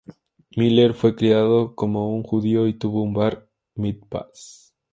Miller fue criado como un judío y tuvo un Bar Mitzvah.